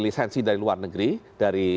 lisensi dari luar negeri dari